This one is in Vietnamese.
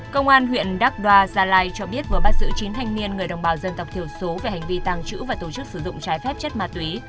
công an huyện đắk đoa gia lai cho biết vừa bắt giữ chín thanh niên người đồng bào dân tộc thiểu số về hành vi tàng trữ và tổ chức sử dụng trái phép chất ma túy